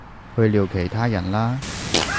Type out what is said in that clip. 去聊其他人啦